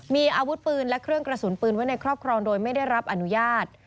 มีอาวุธปืนและเครื่องกระสุนปืนไว้ในครอบครองโดยไม่ได้รับอนุญาต